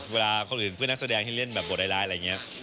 เวลาคนอื่นเพื่อนนักแสดงที่เล่นแบบบทร้ายอะไรอย่างนี้